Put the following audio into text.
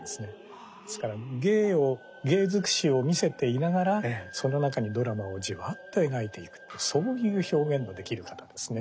ですから芸を芸尽くしを見せていながらその中にドラマをジワっと描いていくそういう表現のできる方ですね。